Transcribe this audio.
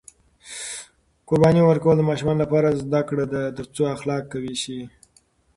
قرباني ورکول د ماشومانو لپاره زده کړه ده ترڅو اخلاق قوي شي.